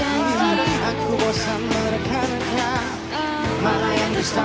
aku bosan merekan